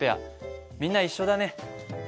みんな一緒だね。